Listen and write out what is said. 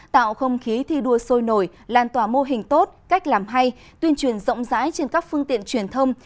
tạo không khí thi đua sôi nổi lan tỏa mô hình tốt cách làm hay tuyên truyền rộng rãi trên các phương tiện truyền thông